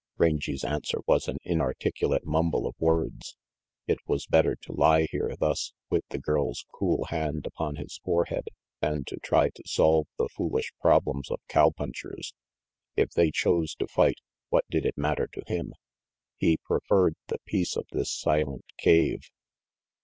Rangy's answer was an inarticulate mumble of words. It was better to lie here thus, with the girl's cool hand upon his forehead, than to try to solve the foolish problems of cow punchers. If they chose to fight, what did it matter to him? He preferred the peace of this silent cave.